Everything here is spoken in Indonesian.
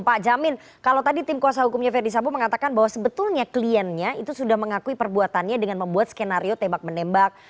pak jamin kalau tadi tim kuasa hukumnya verdi sambo mengatakan bahwa sebetulnya kliennya itu sudah mengakui perbuatannya dengan membuat skenario tembak menembak